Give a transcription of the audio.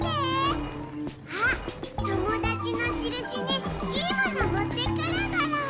あっ友だちのしるしにいいものもってくるゴロ。